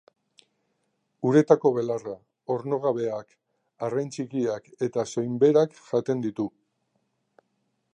Uretako belarra, ornogabeak, arrain txikiak eta soinberak jaten ditu.